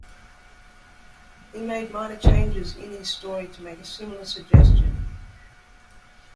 He made minor changes in his story to make a similar suggestion.